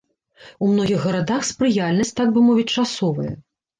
У многіх гарадах спрыяльнасць, так бы мовіць, часовая.